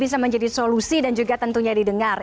bisa menjadi solusi dan juga tentunya didengar